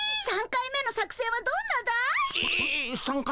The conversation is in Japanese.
３回目の作戦はどんなだい？